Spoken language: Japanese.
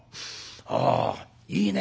あいいね